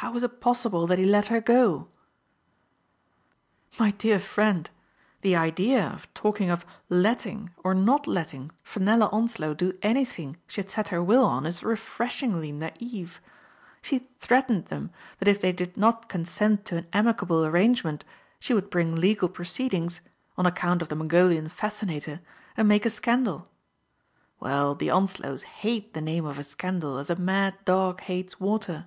How was it possible that he let her go?" " My dear friend, the idea of talking of * let ting* or not letting Fenella Onslow do anything she had set her will on is refreshingly naif. She Digitized by Google FRANCES ELEANOR TROLLOPE. 37 threatened them that if they did not consent to an amicable arrangement she would bring legal proceedings (on account of the Mongolian fas cinator!) and make a scandal. Well, the On slows hate the name of a scandal as a mad dog hates water."